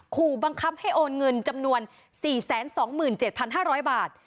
ขู่บังคับให้โอนเงินจำนวน๔๒๗๕๐๐บาท